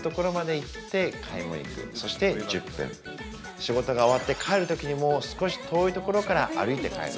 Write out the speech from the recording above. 仕事が終わって帰るときにも少し遠いところから歩いて帰る。